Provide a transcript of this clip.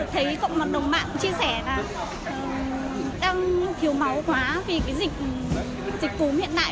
thấy cộng đồng bạn chia sẻ là đang thiếu máu quá vì dịch cúm hiện tại